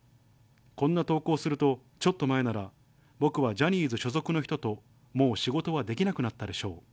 こんな投稿すると、ちょっと前なら、僕はジャニーズ所属の人ともう仕事はできなくなったでしょう。